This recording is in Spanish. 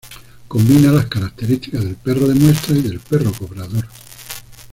Combina las características del perro de muestra y del perro cobrador.